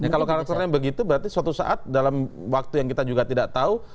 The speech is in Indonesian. kalau karakternya begitu berarti suatu saat dalam waktu yang kita juga tidak tahu